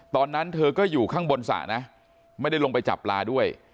ตอนนั้นเธอก็อยู่ข้างบนสระนะไม่ได้ลงไปจับปลาด้วย